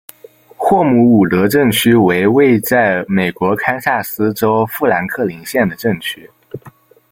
霍姆伍德镇区为位在美国堪萨斯州富兰克林县的镇区。